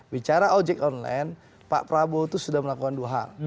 bicara ojek online pak prabowo itu sudah melakukan dua hal